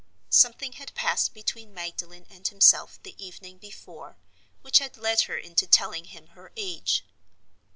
Something had passed between Magdalen and himself the evening before which had led her into telling him her age.